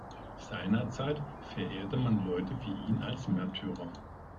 Seinerzeit verehrte man Leute wie ihn als Märtyrer.